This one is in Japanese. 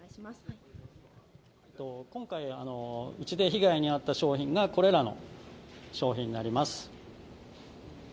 今回、うちで被害に遭った商品がこれらの商品になります。